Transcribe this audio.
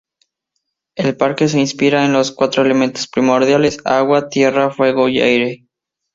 El parque se inspira en los cuatro elementos primordiales: agua, tierra, fuego y aire.